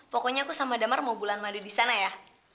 pokoknya aku sama damar mau bulan madu di sana ya